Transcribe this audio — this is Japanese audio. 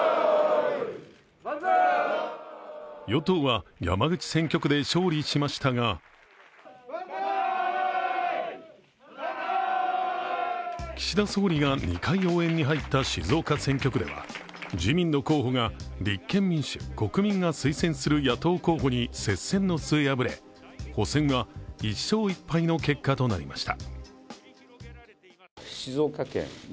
与党は、山口選挙区で勝利しましたが岸田総理が２回応援に入った静岡選挙区では、自民の候補が立憲民主、国民が推薦する野党候補に接戦の末、破れ補選は１勝１敗の結果となりました。